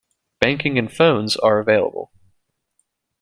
Banking and phones are available.